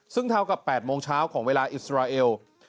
ซึ่งเท่ากับ๘โมงเช้าของเวลาอิสราเอล